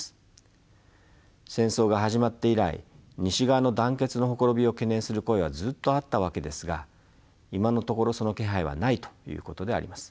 戦争が始まって以来西側の団結の綻びを懸念する声はずっとあったわけですが今のところその気配はないということであります。